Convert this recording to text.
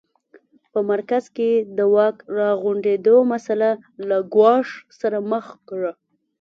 په مرکز کې د واک راغونډېدو مسٔله له ګواښ سره مخ کړه.